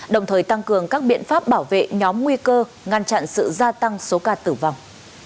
đồng thời tăng cường các biện pháp bảo vệ nhóm nguy cơ ngăn chặn sự gia tăng số ca tử vong